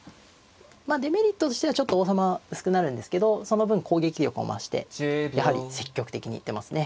まあデメリットとしてはちょっと王様薄くなるんですけどその分攻撃力を増してやはり積極的に行ってますね